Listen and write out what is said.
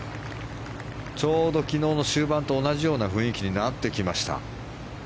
ちょうど昨日の終盤と同じような雰囲気になってきました。